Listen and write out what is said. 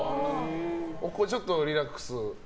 ちょっとリラックスして。